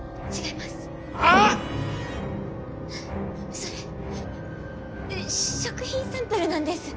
それ食品サンプルなんです。